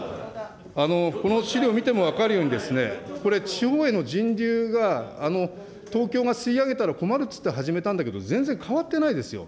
この資料見ても分かるように、これ、地方への人流が東京が吸い上げたら困るっていって始めたんだけど、全然変わってないですよ。